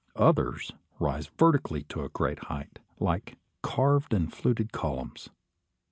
Others rise vertically to a great height, like carved and fluted columns.